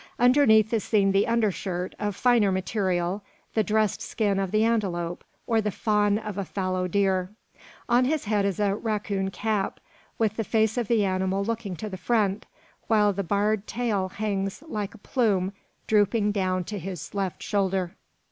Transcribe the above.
Underneath is seen the undershirt, of finer material, the dressed skin of the antelope, or the fawn of the fallow deer. On his head is a raccoon cap, with the face of the animal looking to the front, while the barred tail hangs like a plume drooping down to his left shoulder.